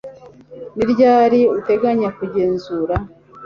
Ni ryari uteganya kugenzura